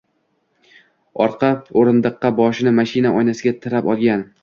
Orqa o‘rindiqqa boshini mashina oynasiga tirab olgan.